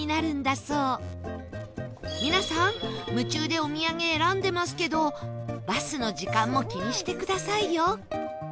皆さん夢中でお土産選んでますけどバスの時間も気にしてくださいよ